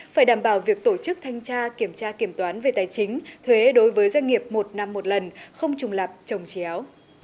phải đảm bảo việc tổ chức thanh tra kiểm tra kiểm toán về tài chính thuế đối với doanh nghiệp một năm một lần không trùng lập trồng chéo